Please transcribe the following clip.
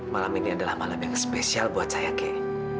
malam ini adalah malam yang spesial buat saya kay